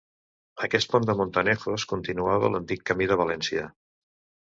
Aquest pont de Montanejos continuava l'antic camí de València.